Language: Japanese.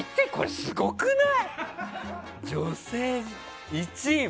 すごくない？